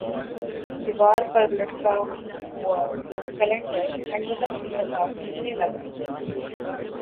دیوار پر لٹکا ہوا کیلنڈر پنڈولم کی طرح ہلنے لگا